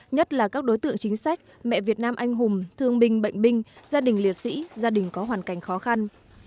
nhất là các đối tượng chính sách mẹ việt nam anh hùng thương binh bệnh binh gia đình liệt sĩ gia đình có hoàn cảnh khó khăn